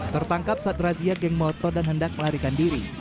tertangkap saat razia geng motor dan hendak melarikan diri